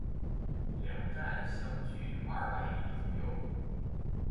两站相距二百米左右。